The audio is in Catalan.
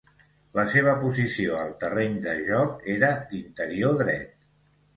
La seva posició al terreny de joc era d'interior dret.